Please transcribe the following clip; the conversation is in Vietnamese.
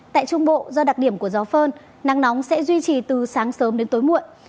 tại trung bộ do đặc điểm của gió phơn nắng nóng sẽ duy trì từ sáng sớm đến tối muộn